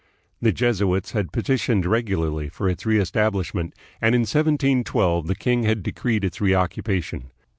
The Jesuits had petitioned regularly for its reestablish ment, and in 1712 the king had decreed its reoccupation.